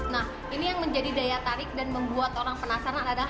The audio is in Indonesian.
nah ini yang menjadi daya tarik dan membuat orang penasaran adalah